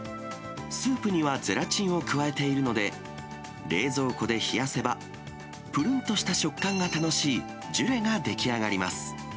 スープにはゼラチンを加えているので、冷蔵庫で冷やせば、プルンとした食感が楽しいジュレが出来上がります。